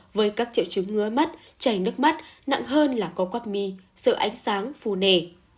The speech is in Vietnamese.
với các triệu chứng ngứa mắt cháy nước mắt nặng hơn là có quắc mì sợ ánh sáng phù nề